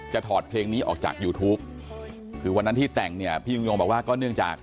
ถอดเพลงนี้ออกจากยูทูปคือวันนั้นที่แต่งเนี่ยพี่ยุงยงบอกว่าก็เนื่องจาก